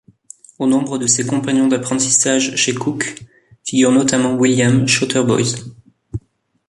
Au nombre de ses compagnons d'apprentissage chez Cooke, figure notamment William Shotter Boys.